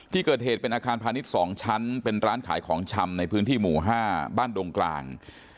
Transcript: ที่เกิดเหตุเป็นอาคารพาณิชย์๒ชั้นเป็นร้านขายของชำในพื้นที่หมู่๕บ้านดงกลาง